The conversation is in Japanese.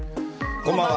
こんばんは。